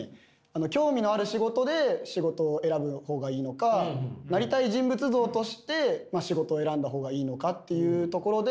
興味のある仕事で仕事を選ぶほうがいいのかなりたい人物像として仕事を選んだほうがいいのかっていうところで。